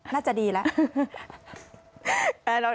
น่าจะดีแล้ว